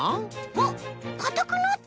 あっかたくなった！